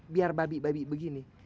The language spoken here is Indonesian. biar babi babi begini